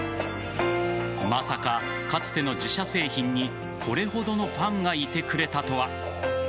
まさか、かつての自社製品にこれほどのファンがいてくれたとは。